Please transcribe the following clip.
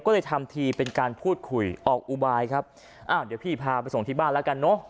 ก็เลยทำทีเป็นการพูดคุยออกอุบายครับอ้าวเดี๋ยวพี่พาไปส่งที่บ้านแล้วกันเนอะ